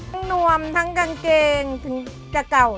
นวมทั้งกางเกงถึงจะเก่า